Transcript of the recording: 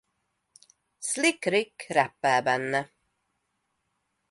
Slick Rick rappel benne.